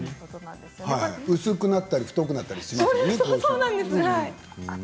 薄くなったり太くなったりします